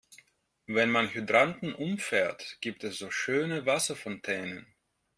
Wenn man Hydranten umfährt, gibt es so schöne Wasserfontänen.